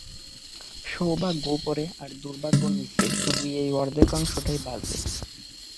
সৌভাগ্য উপরে আর দুর্ভাগ্য নিচে, শুধু ঐ অর্ধাংশটাই বাজে।